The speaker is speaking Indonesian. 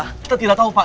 kita tidak tahu pak